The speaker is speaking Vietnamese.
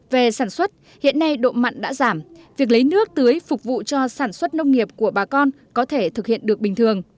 về sản xuất hiện nay độ mặn đã giảm việc lấy nước tưới phục vụ cho sản xuất nông nghiệp của bà con có thể thực hiện được bình thường